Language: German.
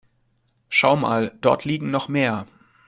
Schau mal, dort liegen noch mehr.